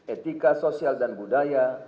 etika sosial dan budaya